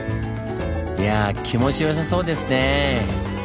いやぁ気持ちよさそうですねぇ。